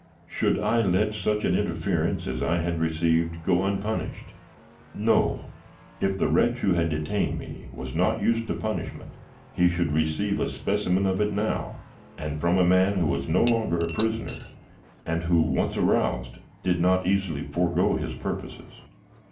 Should I let such an interference as I had received go unpunished? No, if the wretch who had detained me was not used to punishment he should receive a specimen of it now and from a man who was no longer a prisoner, and who once aroused did not easily forego his purposes.